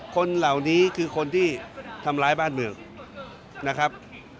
คนเหล่านี้คือคนที่ทำร้ายบ้านเมืองนะครับ